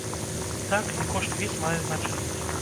Так, і кошт віз мае значэнне.